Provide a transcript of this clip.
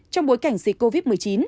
trong bối cảnh dịch covid một mươi chín